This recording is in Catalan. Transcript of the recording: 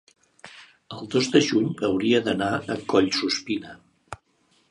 el dos de juny hauria d'anar a Collsuspina.